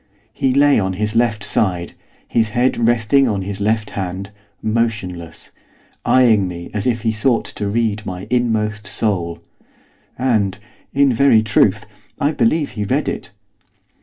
He lay on his left side, his head resting on his left hand; motionless, eyeing me as if he sought to read my inmost soul. And, in very truth, I believe he read it.